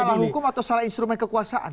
salah hukum atau salah instrumen kekuasaan